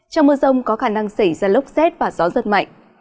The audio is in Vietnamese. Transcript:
trong mưa rông có khả năng xảy ra lốc xét và gió rất mạnh